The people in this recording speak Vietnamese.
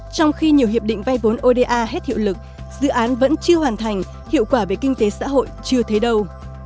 trong khi nhiều hiệp định vay vốn oda hết hiệu lực dự án vẫn chưa hoàn thành hiệu quả về kinh tế xã hội chưa thấy đâu